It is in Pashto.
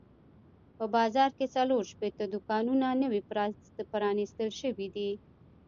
په بازار کې څلور شپېته دوکانونه نوي پرانیستل شوي دي.